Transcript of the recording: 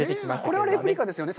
これはレプリカですよね。